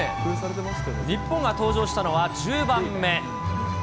日本が登場したのは１０番目。